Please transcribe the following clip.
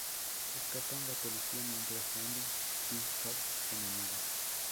Escapan la policía mientras Bambi y Carl se enamoran.